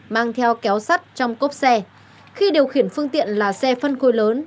mang theo kéo sắt trong cốp xe khi điều khiển phương tiện là xe phân khối lớn